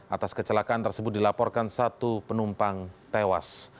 atas kecelakaan tersebut dilaporkan satu penumpang tewas